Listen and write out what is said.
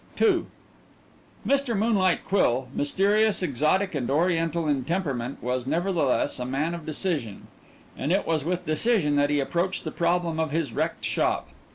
II Mr. Moonlight Quill, mysterious, exotic, and oriental in temperament was, nevertheless, a man of decision. And it was with decision that he approached the problem of his wrecked shop.